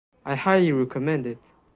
I highly recommend it.